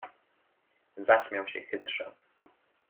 "Zaśmiał się chytrze."